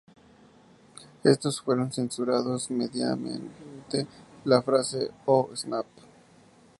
Estos fueron censurados mediante la frase "Oh Snap!